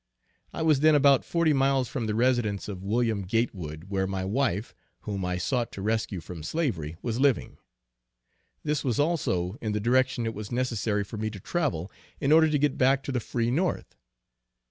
I was then about forty miles from the residence of Wm. Gatewood, where my wife, whom I sought to rescue from slavery, was living. This was also in the direction it was necessary for me to travel in order to get back to the free North.